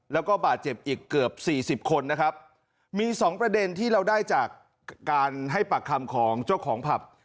แล้วก็บาดเจ็บอีกเกือบสี่สิบคนนะครับมีสองประเด็นที่เราได้จากการให้ปากคำของเจ้าของผับ